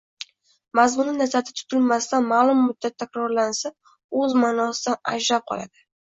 – mazmuni nazarda tutilmasdan ma’lum muddat takrorlansa o‘z ma’nosidan ajrab qoladi.